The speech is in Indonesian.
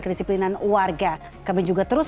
krisip linan warga kami juga terus